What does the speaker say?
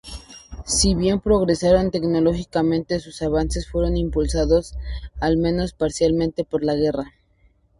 Si bien progresaron tecnológicamente, sus avances fueron impulsados, al menos parcialmente, por la guerra.